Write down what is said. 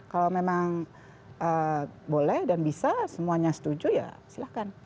kalau memang boleh dan bisa semuanya setuju ya silahkan